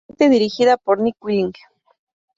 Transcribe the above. Está escrita y dirigida por Nick Willing.